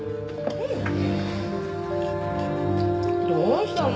どうしたの？